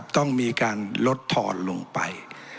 ต้องมีการลดทอนลงไป